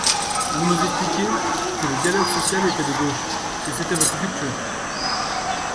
Vous nous expliquiez que le dialogue social était de gauche, que c’était votre culture.